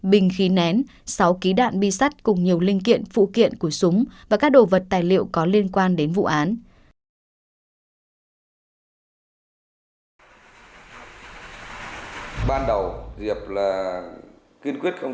bốn trăm năm mươi năm bình khí nén sáu ký đạn bi sắt cùng nhiều linh kiện phụ kiện của súng và các đồ vật tài liệu có liên quan đến vụ án